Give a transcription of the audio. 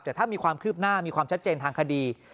แต่ถ้ามีความคืบหน้ามีความชัดเจนทางคดี